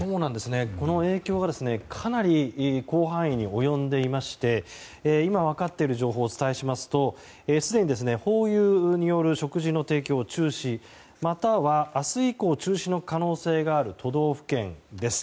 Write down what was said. この影響はかなり広範囲に及んでいまして今、分かっている情報をお伝えしますとすでにホーユーによる食事の提供の中止または明日以降、中止の可能性がある都道府県です。